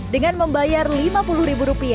dengan membayar rp lima puluh